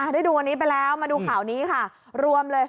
ดีดูกันนี้ไปแล้วมาดูข่าวนี้ครับ